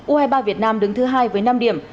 u hai mươi ba việt nam đứng thứ hai với năm điểm